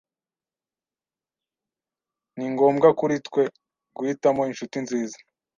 Ni ngombwa kuri twe guhitamo inshuti nziza.